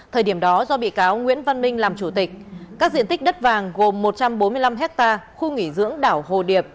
thời điểm đó do bị cáo nguyễn văn minh làm chủ tịch các diện tích đất vàng gồm một trăm bốn mươi năm ha khu nghỉ dưỡng đảo hồ điệp